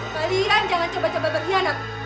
kalian jangan coba coba berkhianat